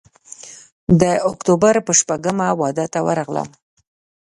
د اکتوبر پر شپږمه واده ته ورغلم.